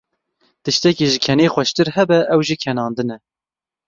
Tiştekî ji ken xweştir hebe ew jî kenandin e.